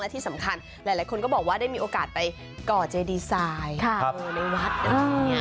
ที่สำคัญหลายคนก็บอกว่าได้มีโอกาสไปก่อเจดีไซน์ในวัดอะไรอย่างนี้